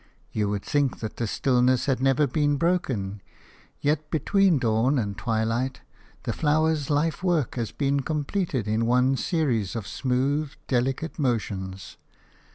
You would think that the stillness had never been broken; yet between dawn and twilight the flower's lifework has been completed in one series of smooth, delicate motions.